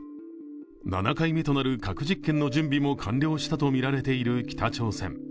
７回目となる核実験の準備も完了したとみられている北朝鮮。